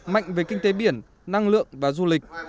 mạnh về kinh tế biển năng lượng và du lịch